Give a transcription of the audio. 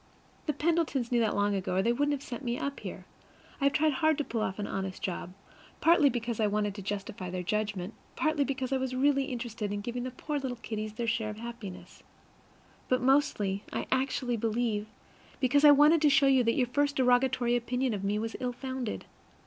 The Pendletons knew that long ago, or they wouldn't have sent me up here. I have tried hard to pull off an honest job, partly because I wanted to justify their judgment, partly because I was really interested in giving the poor little kiddies their share of happiness, but mostly, I actually believe, because I wanted to show you that your first derogatory opinion of me was ill founded.